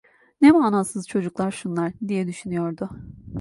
"Ne manasız çocuklar şunlar!" diye düşünüyordu.